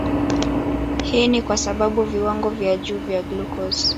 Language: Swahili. Hii ni kwa sababu viwango vya juu vya glucose